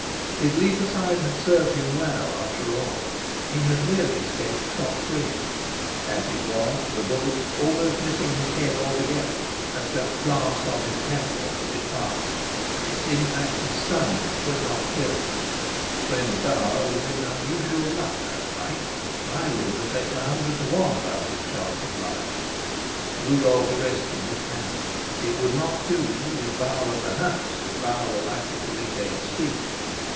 His leap aside had served him well, after all: he had nearly escaped scot free. As it was, the bullet, almost missing his head altogether, had just glanced on his temple as it passed; its impact had stunned, but not killed. Friend Bauer was in unusual luck that night; I wouldn't have taken a hundred to one about his chance of life. Rupert arrested his hand. It would not do to leave Bauer at the house, if Bauer were likely to regain speech.